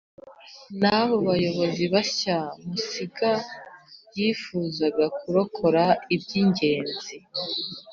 n abo bayobozi bashya Musinga yifuzaga kurokora iby ingenzi